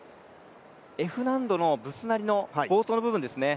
Ｆ難度のブスナリの冒頭の部分ですね。